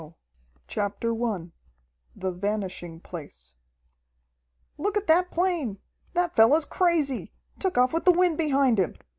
] CHAPTER I The "Vanishing Place" "Look at that plane! That fellow's crazy! Took off with the wind behind him!